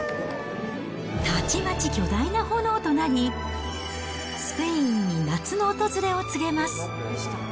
たちまち巨大な炎となり、スペインに夏の訪れを告げます。